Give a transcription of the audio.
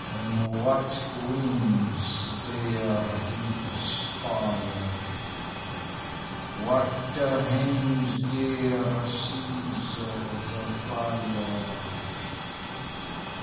On what wings dare he aspire? What the hand dare seize the fire?